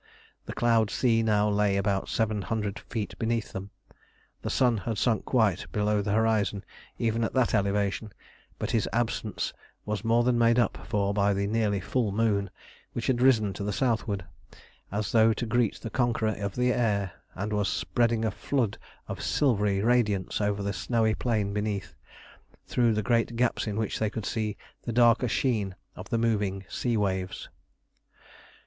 The cloud sea now lay about seven hundred feet beneath them. The sun had sunk quite below the horizon, even at that elevation; but his absence was more than made up for by the nearly full moon, which had risen to the southward, as though to greet the conqueror of the air, and was spreading a flood of silvery radiance over the snowy plain beneath, through the great gaps in which they could see the darker sheen of the moving sea waves.